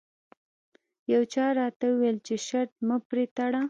یو چا راته وویل چې شرط مه پرې تړه.